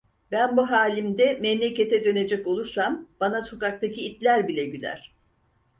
Ben bu halimde memlekete dönecek olursam, bana sokaktaki itler bile güler.